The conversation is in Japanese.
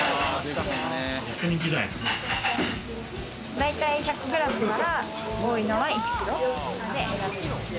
大体１００グラムから、多いのは１キロまで選べます。